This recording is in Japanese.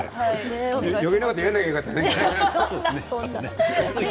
変なこと言わなきゃよかったね。